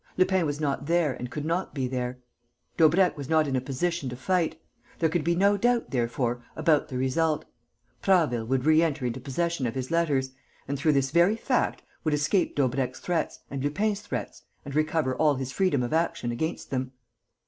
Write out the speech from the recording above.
Lupin was not there and could not be there. Daubrecq was not in a position to fight. There could be no doubt, therefore, about the result: Prasville would reenter into possession of his letters and, through this very fact, would escape Daubrecq's threats and Lupin's threats and recover all his freedom of action against them.